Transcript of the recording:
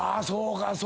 そうか！